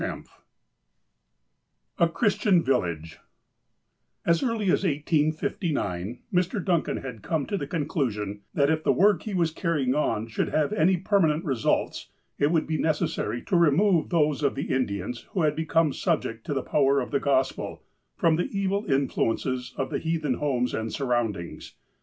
XX A CHRISTIAN VILLAGE AS early as 1859, Mr. Duncan had come to the con clusion that if the work he was carrying on should have any permanent results, it would be necessary to remove those of the Indians who had become subject to the power of the Gospel, from the evil influ ences of the heathen homes and surroundings.